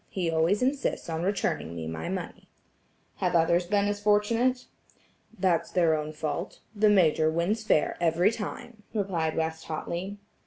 He always insists on returning me my money." "Have others been as fortunate?" "That's their own fault; the Major wins fair every time," replied West hotly.